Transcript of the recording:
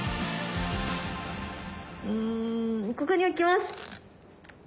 うんここに置きます。